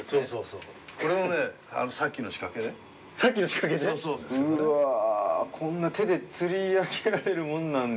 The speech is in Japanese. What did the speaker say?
うわこんな手で釣り上げられるものなんですね。